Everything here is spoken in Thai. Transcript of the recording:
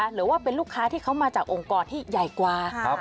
หรือว่าเป็นลูกค้าที่เขามาจากองค์กรที่ใหญ่กว่า